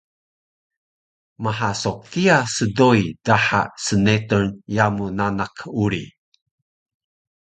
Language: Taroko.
Maha so kiya sdoi daha snetur yamu nanak uri